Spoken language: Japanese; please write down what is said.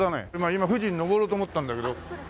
今富士に登ろうと思ったんだけど